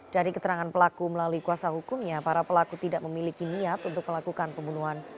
dari keterangan pelaku melalui kuasa hukumnya para pelaku tidak memiliki niat untuk melakukan pembunuhan